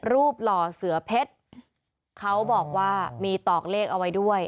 หล่อเสือเพชรเขาบอกว่ามีตอกเลขเอาไว้ด้วย